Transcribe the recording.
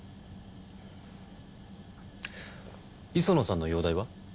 磯野さんの容体は？